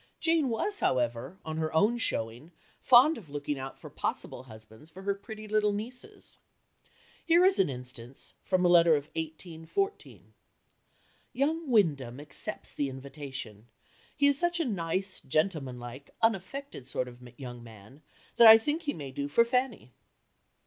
Jane was, however, on her own showing, fond of looking out for possible husbands for her pretty little nieces. Here is an instance, from a letter of 1814 "Young Wyndham accepts the invitation. He is such a nice, gentlemanlike, unaffected sort of young man, that I think he may do for Fanny."